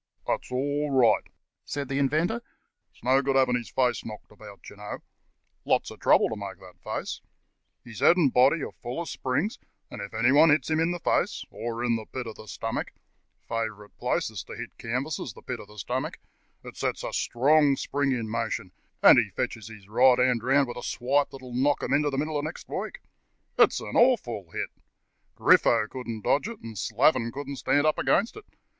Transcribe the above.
"That's all right," said the Inventor. "It's no good having his face knocked about, you know — lot of trouble to make that face. His head and body are full of springs, and 22 The Cast iron Canvasser if anybody hits him in the face, or in the pit of the stomach — favourite places to hit canvassers, the pit of the stomach — it sets a strong spring in motion, and he fetches his right hand round with a swipe that'll knock them into the middle of next week. It's an awful hit. Griffo couldn't dodge it, and Slavin couldn't stand up against it.